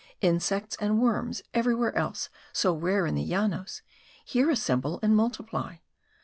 Insects and worms, everywhere else so rare in the Llanos, here assemble and multiply.